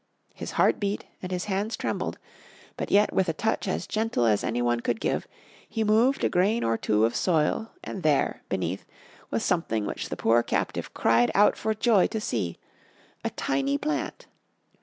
His heart beat and his hands trembled, but yet with a touch as gentle as any one could give, he moved a grain or two of soil and there, beneath, was something which the poor captive cried out for joy to see a tiny plant.